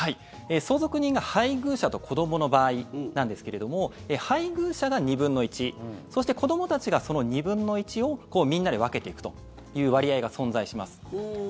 相続人が、配偶者と子どもの場合なんですけれども配偶者が２分の１そして、子どもたちがその２分の１をみんなで分けていくという割合が存在します。